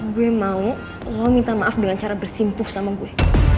gue mau lo minta maaf dengan cara bersimpuh sama gue